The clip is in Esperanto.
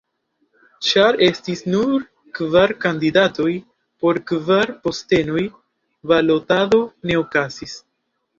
Ĉar estis nur kvar kandidatoj por kvar postenoj, balotado ne okazis.